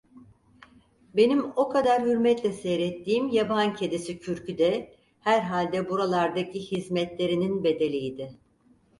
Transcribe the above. Benim o kadar hürmetle seyrettiğim yabankedisi kürkü de, herhalde buralardaki hizmetlerinin bedeliydi.